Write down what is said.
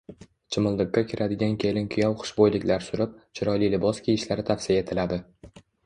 Chimildiqqa kiradigan kelin-kuyov xushbo‘yliklar surib, chiroyli libos kiyishlari tavsiya etiladi.